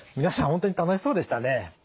皆さん本当に楽しそうでしたね。